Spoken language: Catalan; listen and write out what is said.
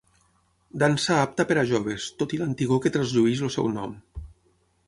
Dansa apta per a joves, tot i l'antigor que trasllueix el seu nom.